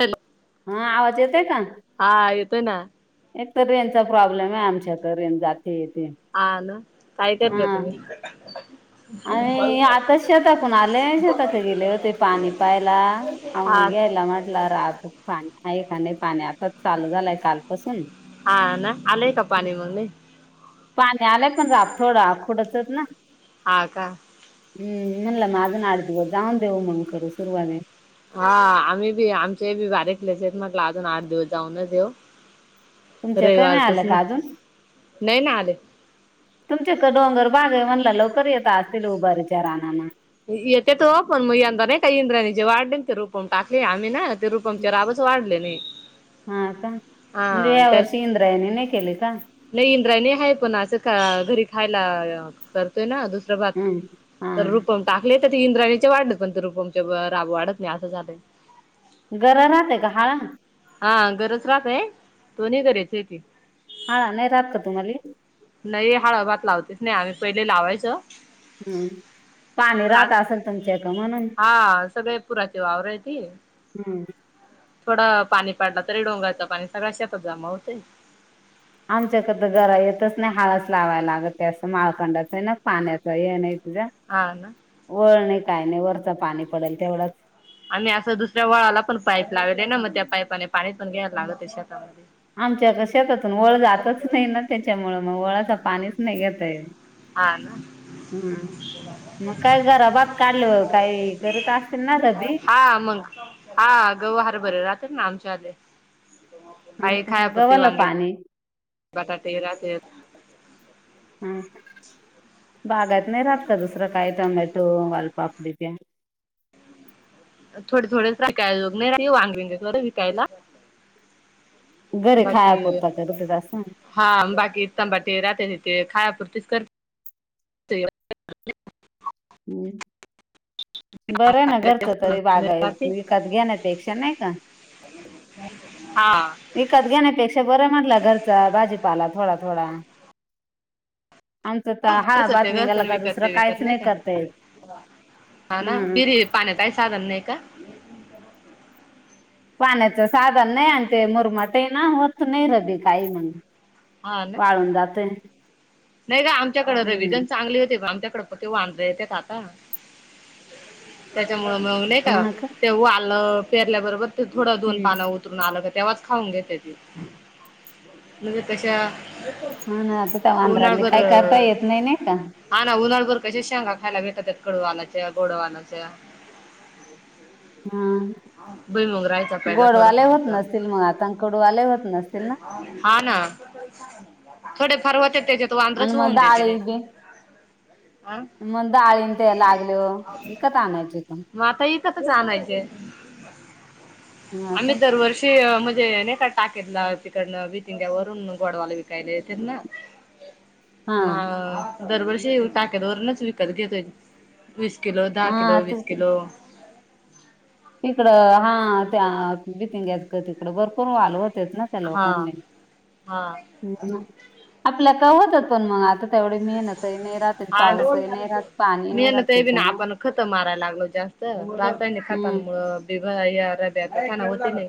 Hello हा आवाज येतय का? हा येतोय ना एक तर रेनचा प्रॉब्लेम आहे आमच्याक रेन जाते येते हा ना काय करत्या तुम्ही? आम्ही आता शताातून आले शतात गेले होते पाणी पाहला आव हा घ्यायला म्हटलं राात पाणी हा एखा नाही पाणी आताच चालू झालाय कालपासून हा ना आले का पाणी म्हमी पाणी आलंय पण रा थोडं आखोडचत ना हा का हम्म म्हणलं माझ ना आठ दिवस जाऊन देऊ म्हणून करू सुरुवात हा आम्ही बी आमचे बी बारीकलेस आहेत म्हटलं अजून आठ दिवस जाऊनच येऊ तुमच्याकडे रविवार नाही तस आलं ना का अजून नाही ना आले तुमचेकड डोंगर बाग आहे म्हणला लवकर येत असतील उभारीच्या रानांना येत्यात हो पण मग यंदा नाही का इंद्राणी जे वाढ ते रूपून टाकले आम्ही ना ते रुपंचरबच वाढले हे हा का म्हणजे या वर्षी इंद्रायानी नाही केली का? नाही इंद्रायणी आहे पण असं घरी खायला कर दुसरं भात हम्म हा तर रूपम टाकले तर ते इंद्रायणीचे वाढत पण ते रूपमच्या राब वाढत नाही असं झालं गरा राहते का हाळा हा गरज रातेय दो्ही करायच आहेथे हा नाही राहत का तुम्हाले? नाही हळभात लावतेच नाही आम्ही पहिले लावायचं हम्म. पण आज हा सगळे पुराचे वावरहेती. थोडं पाणी पाडलं तरी डोंगाचं पाणी सगळा शेतात जमा होतय आमच्याक तर जरा येतच नाही हाळस लावायला लागत असं माळखंडाचं आहे ना पाण्याचं हे नाही तुझ. हा ना. वरळ नाही काय नाही वरच पाणी पडेल तेवढंच. आम्ही असं दुसऱ्या वळाला पण पाईप लावले ना मग त्या पाईपाने पाणी पण घ्यायला लागलं त्या शेतामध्ये. आमच्या शेतातून वळ जातच नाही ना त्याच्यामुळ मग वळाच पाणीच नाही घेता येल. हा ना. हम्. मग काय घराबाात काढल काही करत असतील ना कधी. हा मग हा गवहार बरे राहते ना आमच्या आले काही खायापुरती गव्हाला वांगी. बटाटे असेल. हम्. बागत नाही राहत का दुसरं काय टोमॅटो वालपापडी प्या. थोडे थोडेचय ल नाहीग वागे विकायला. घरे खाया बाकी पूरता करतेत अस. हा बाकी इताांबाट राहते त तेे खायापुरतीच करते. ते हम्. बरं आहे ना घरचं तरी बागा आहे राहते विकत घ्या ना पेक्षा नाही का. हा. विकत घेण्यापेक्षा बरं म्हटलं घरचा भाजीपाला थोडा थोडा. आमचं तर हा घरच ते बातमी घरच गला का विकत दुसरं ते विकत काहीच नाही का करत हा ना पिरी पाण्याचाही साधन नाही का. पाण्याचं साधन नाही आणि ते मुरमा ते ना हो. नाही रबी काही म्हण हा ना वाळून जाते. नाही का आमच्याकडे रगन चांगले होते ब आमच्याकडं. ते वांदर येत आता त्याच्यामु ळ म का ते वालं पेरल्याबरोबर थोडं दोन हम्म पानंत. उतरून आलं तेव्हाच खाऊन घेते ती म्हणजे कशा हा ना आता त्या वांदराले उन्हाळभर काही करता येत नाही नाही का. हा ना उन्हाळभर कसे शांगा खायला भेटतात कडूवालाच्या गोडवालाच. हम. भईमग राहायचा पहिला थोड सांगच नसतील मग आता कडूवाले होत नसतील ना हा ना. थोडे फरवते त्याच्यात. आणि वांद्रच मग होऊन देते ते बाळी बी अ मग डाळीं ते लागल विकत आणायच त. मग आता इकतच आणायचे आम्ही दरवर्षी त म्हणजे नाही का टाकेतला तिकडनं बीतीिंग्या वरून गोडवाला विकायला त्यां ना. [inaudible] म दरवर्षी टाक्यादरूनच विकत घेते. वीस किलो दहा हा किलो ते वीस किलो. तिकडं हा त्या बीतीिंग्यात का तिकडं भरपूर वाल होतेत ना. चलाव हा कर हा हम् [unintelligible] आपल्या का होत पण मग आता तेवढे मेहनत मी नाही ना राहत बी ना त्याच्यामुळे आपण खतम मारायला लागलो जास्त त नाही खातना हम्म मु बिवा या रब्या खा होती नाही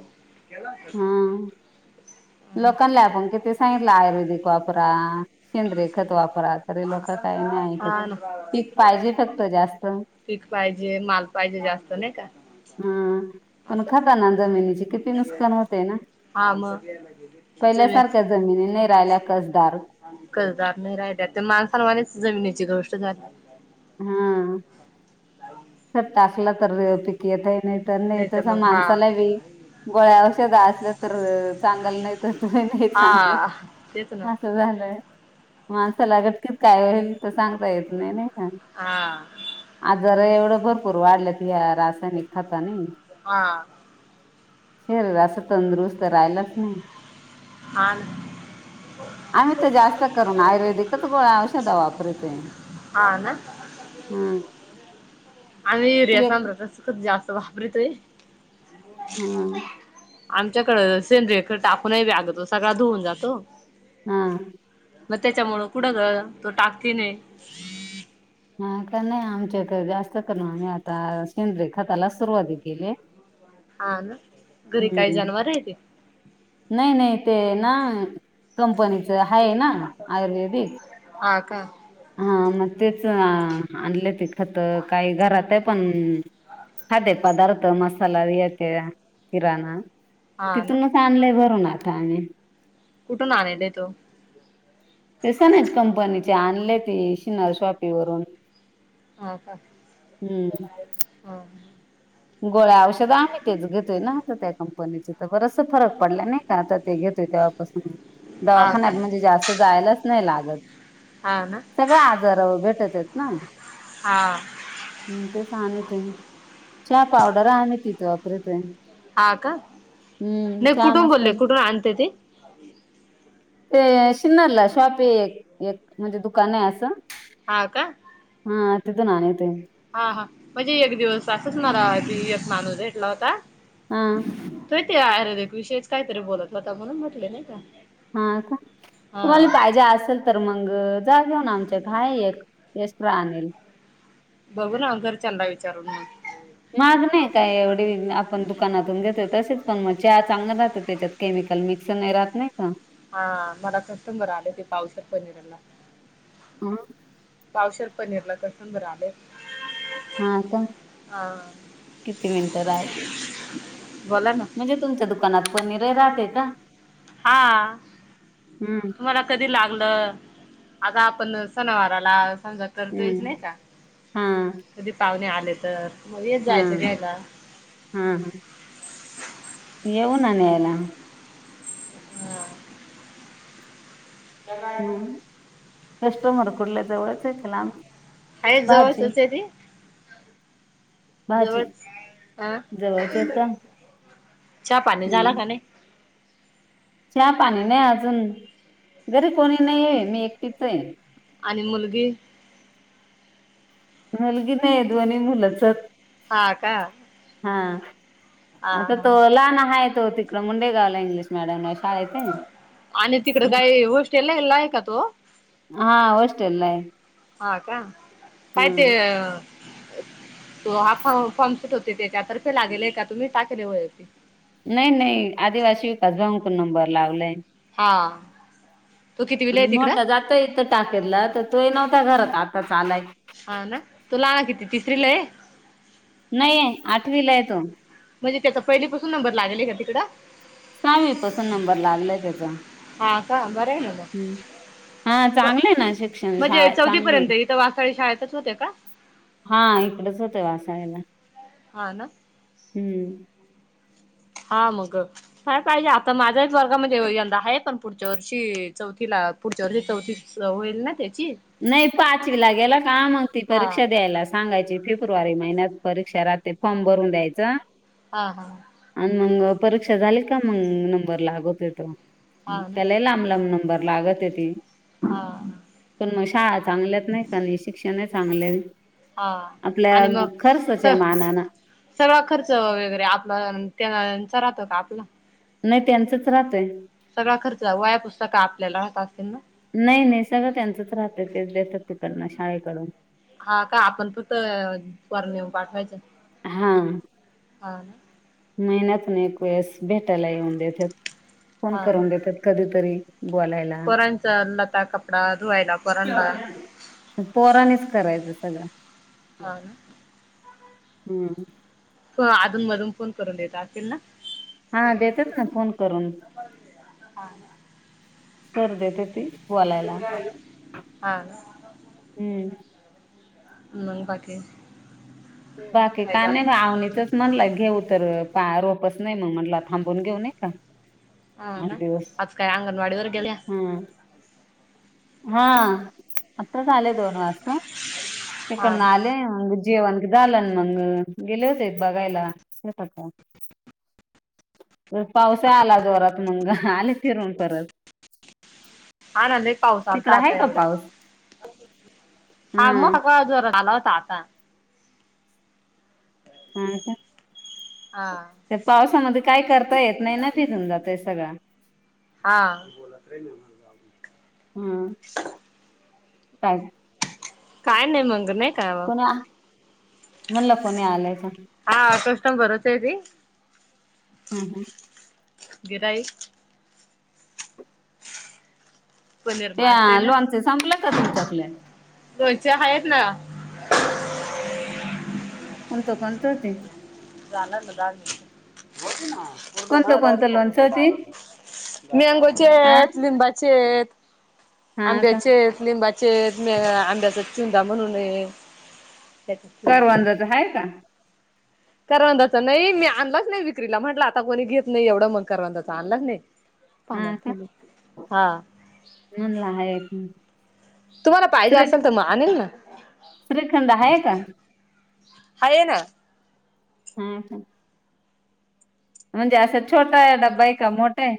हम लोकांना आपण किती सांगितलं आयुर्वेदिक वापरा शेंद्रेखत वापरा रे लोक काही नाही ऐकत हा पीक पाहिजे फक्त जास्त. पीक पाहिजे माल पाहिजे जास्त नाही का? हा पण असं खातना जमीनीची किती नु ण होते ना हा मग पहिल्या तिचं सारख्या जमिनी नाही राहिल्या कसदार कधदार नाही राहिल्या तर माणसां मानेच जमिनीची गोष्ट झाली हा ह तरर टाकला तर पिक येतही नाही तर नाही तस माणसाला वी गोळ्यावरषध असलं तर चांगल नाही तर तही नाही चांगल हा तेच ना असं झालंय माणसंलागतकीत काय होईल तर सांगता येत नाही नाही का हा आजार एवढं भरपूर वाढलेत या रासायनिक खातनी हा शर असं तंदुरुस्त राहिलाच नाही हाण आम्ही तर जास्त करून आयुर्वेदिकच गोळा औषध वापरत ह ना आणि एरिया ते एक तांदळात खूप जास्त वापरतोय हम आमच्याकडं सेंद्रेयक टाकूनही व्यागतो सगळा धुऊन जातो हा मग त्याच्यामुळं कुठं ग तो टाककी नाही हा का नाही आमच्या तर जास्त करण आम्ही आता सेंद्रे खतालाच सुरुवाती केली हा ना घरी काही हम्म. जनवर आहे ते? नाही नाही ते ना कंपनीच आहे ना आयुर्वेदिक हा का हा मग तेच आणले ति खत काही घरात आहे पण खध पदार्थ मसालाेत किराणा हा ना तिथून चांले भरून आता आम्ही कुठून आलेल आहे तो? ते स नाच कंपनीचे अनलेट. शिनार शॉपी वरून हा का? हम्म. हा गोळ्या औषध आम्ही तेच घेतोय ना आता त्या कंपनीचे तर बरस फरक पडला नाही का आता ते घेतोय त्यापास हा का दवाखान्यात म्हणजे जास्त जायलाच नाही लागत हा ना सगळे आजार भेटत आहेत ना हा म तेे सानेत आहे [unintelligible] च्या पावडर आम्ही तिथं वापीरीतोय हा का नाही कुठून मस्त बोलले कुठून आणते ते? ते शिन्नरला शॉप हे एक म्हणजे दुकान आहे असं हा का? हा तिथून आणायते हा हा म्हणजे एक दिवस असंच मला एक माणूस भेटला होता हा त्यो तो आयुर्वेदिक विषयीच काहीतरी बोलत होता म्हणून म्हटले नाही का हा का तुम्हाला हा पाहिजे असेल तर मंग जाऊया ना आमच्या इथं काय एक एक्सट्रा आणेल मग बघू ना घरच्यांना विचारून मंग माग नाही काय एवढी आपण दुकानातून घेतोय तसेच पण मग च्या चांगलं राहतं त्याच्यात केमिकल मिक्स नाही राहत नाही का? हा मला कस्टमर आलय ते पावशेर पनीराला [inaudible] पावशेर पनीर ला कस्टमर आलय हा का किती मिनिटं राहिले? बोला ना म्हणजे तुमच्या दुकानात पनीरही राहते का? हा हम्म मला कधी लागलं आता आपण सणावाराला समजा करतोयच हम्म नाही का हा कधी पाहुणे आले तर मग येत जायचं घ्यायला हा हा येऊ ना न्यायला हा हम्म कस्टमर कुठलं जवळच हायत का लांबच? हाय जवळचच हाय ती भाजी जवळ हह जवळचे आहेत का? च्या पाणी झाला का नाही? चहा-पाणी नाही अजून घरी कोणी नाही मी एकटीच आहे. आणि मुलगी मुलगी नाही दोन्ही मुलंचं हाईत हा का हा हा आता तो हा लहान हाय तो तिकड मुंडेगावला इंग्लिश मिडीयम हाय आणि तिकडं काय हॉस्टेलला हेला हाय का तो? हा हॉस्टेलला हाय हा का काय ते तो आस फॉर्मशूट होते तेच्या तर्फे लागेले आहे का तुम्ही टाकेले व्हय [inaudible] नाही नाही आदिवासी विकास भाऊ नंबर लावलाय हा तो कितवीला आन आहे तिकडं मोठा जातोय इथं टाकेरला तर तो ही नव्हता घरात आताच आलाय हा ना तूला किती तिसरीला हाय? नाही हाय आठवीला हाय तो म्हणजे त्याचा पहिली पासून नंबर लागले का तिकडं? काय माहित कसा नंबर लागलाय त्याचा हा का बरं आहे ना हम हा चांगलय ना शिक्षण शाळा चांगली हाय तवा सगळे शाळेतच होत्या का? हा इकडच होतो शाळेला हा ना हम. हा मग काय पाहिजे आता माझ्याच वर्गामध्ये यंदा आहेत अन पुढच्या वर्षी चौथीला. पुढच्या वर्षी चौतीच होईल ना त्याची. नाय पाचवी ला गेला का मग ती हा परीक्षा द्यायला असती. सांगायची फेब्रुवारी महिन्यात परीक्षा राहते फॉर्म भरून द्यायचा. हा‌. हा. आन मग परीक्षा झाली का मग नंबर लागतोय तो. हा ना त्या लय लांब लांब नंबर लागत्याती. हा. पण मग शाळा चांगल्यात नाही का आणि शिक्षण ही चांगल हाय. हा आपल्या आणि मग स खर्चाच्या मानान. सगळा खर्च वगैरे आपला त्यांचा राहतो का आपला. नाही त्यांचंच राहतय. सगळा खर्च व्हाया पुस्तक आपल्याला राहत असतील ना. नय नय नाही सगळं त्यांचच राहतं तेच देतात तिकडंन शाळेकडून. हा का. आपण फक्त पोरं नेऊन पाठवायचं. हा. हा. महिन्यांतून एक वेळेस भेटायला येऊन देतात. फोन करून देतात कधीतरी‌. बोलायला. पोरणचा लता कपडा धुवायला पोरणला पोरानीच करायचं सगळं. हा. हम्. त अधून मधून फोन करून देत असतील ना. हा देत्यात ना फोन करून. हा. सर देतात ते बोलायला. हा हा ना, हम्म. मग बाकीे. बाकी का नाही ग आवणीचच म्हणला घेऊ तर. पा रोपच नाही मग म्हटलं थांबवून घेऊ न‌ई का? हाव आठ ना दिवस आज काय अंगनवाडी वर गेल्या हम्म हा आताच आले दोन वाजता. हा तकडन ना आले मग जेवण झालं मग गेले होते बघायला येत का कोण. परत पावस ही आला जोरात मंग आले फिरून परत. हा नंद एक पाऊस आलता तिकड आहे आता का पाऊस एवढंच. आ मग हम्म मग जोरात आला होता आता. हा का. हा ते पावसामध्ये काय करता येत नाही ना ते भिजुन जात सगळं. हा. हम्म काय? काय नाही मंग ते. कोणी म्हणलं कोणी आलाय का? हा कस्टमरच आहे ती हम हम. गिराईक. पनीर मागते त्या लोणचे संपले का तुमच्यातले? लोनचे आहेत ना. कोणतं कोणतं होते? जा ना लाग बघ ना कोणतं कोणतं लोणचं होती मँगोचे हा आहेत. लिंबाचे आहेत. हा का आंब्याचे आहेत. लिंबाचे आहेत. आंब्याचा चुंदा म्हणूनय करवंदाच आहे का? करवंदाच नाही. मी आणलाच नाही विक्रीला म्हटलं आता कोणी घेत नाही एवढं मग करवंदाच आणलाच नाही. हा का पाण्यातले हा म्हणलं आहे तुम्हाला पाहिजे श्री असेल तर मग आणेन ना... श्रीखंड आहे का हाय ना [inaudible] म्हणजे असा छोटा आहे डब्बा आहे का मोठा आहे?